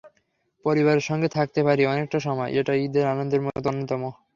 পরিবারের সঙ্গে থাকতে পারি অনেকটা সময়, এটা ঈদের আনন্দের মধ্যে অন্যতম।